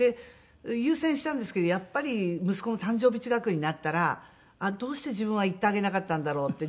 優先したんですけどやっぱり息子の誕生日近くになったらどうして自分は行ってあげなかったんだろうって。